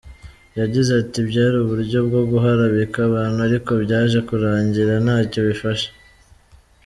Yagize ati “Byari uburyo bwo guharabika abantu ariko byaje kurangira ntacyo bifashe.